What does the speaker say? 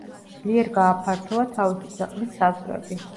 ძლიერ გააფართოვა თავისი ქვეყნის საზღვრები.